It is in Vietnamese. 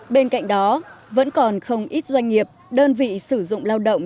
bên cạnh đó vẫn còn không ít doanh nghiệp đơn vị sử dụng lao động